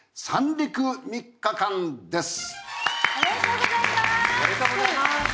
おめでとうございます！